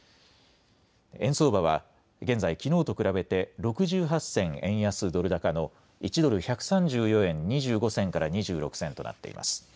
円相場は現在、きのうと比べて６８銭円安ドル高の１ドル１３４円２５銭から２６銭となっています。